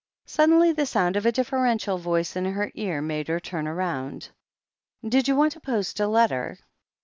Suddenly the sound of a deferential voice in her ear made her turn round. "Did you want to post a letter